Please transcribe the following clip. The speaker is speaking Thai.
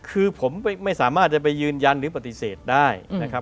คือผมไม่สามารถจะไปยืนยันหรือปฏิเสธได้นะครับ